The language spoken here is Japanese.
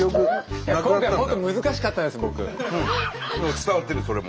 伝わってるそれも。